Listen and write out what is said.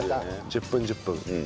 １０分１０分。